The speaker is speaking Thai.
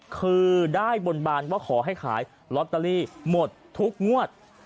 คือได้บนบานว่าขอให้ขายลอตเตอรี่หมดทุกงวด